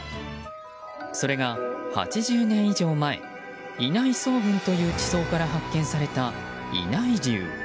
それが８０年以上前稲井層群という地層から発見されたイナイリュウ。